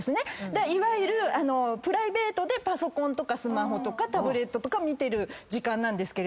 いわゆるプライベートでパソコンとかスマホとかタブレットとか見てる時間なんですけれども。